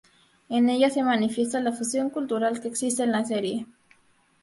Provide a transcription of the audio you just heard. En ella se manifiesta la fusión cultural que existe en la serie.